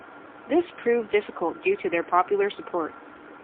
This proved difficult due to their popular support.